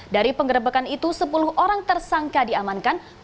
dari penggerebekan itu sepuluh orang tersangka diamankan